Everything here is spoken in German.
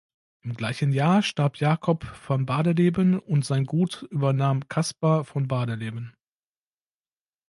Im gleichen Jahr starb Jacob von Bardeleben und sein Gut übernahm Caspar von Bardeleben.